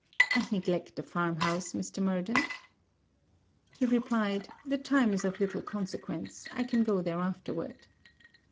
'And neglect the farm house, Mr. Murden.' He replied, 'the time is of little consequence, I can go there afterward.'